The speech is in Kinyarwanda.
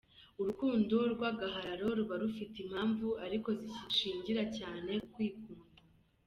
Urukundo rw’agahararo ruba rufite impamvu ariko zishingira cyane ku ku kwikunda.